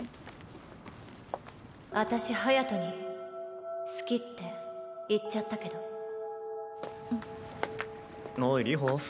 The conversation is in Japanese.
私隼に好きって言っちゃったけどおい流星。